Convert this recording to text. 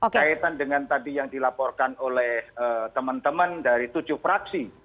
kaitan dengan tadi yang dilaporkan oleh teman teman dari tujuh fraksi